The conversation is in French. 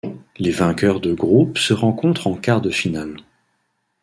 Les vainqueurs de groupes se rencontrent en quart de finale.